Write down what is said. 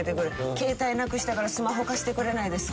「携帯なくしたからスマホ貸してくれないですか？」